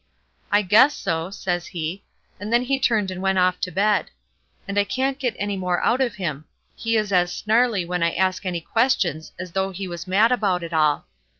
'I guess so,' says he, and then he turned and went off to bed. And I can't get any more out of him; he is as snarly when I ask any questions as though he was mad about it all.